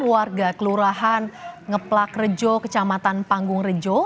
warga kelurahan ngeplak rejo kecamatan panggung rejo